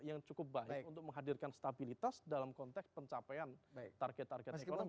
yang cukup baik untuk menghadirkan stabilitas dalam konteks pencapaian target target ekonomi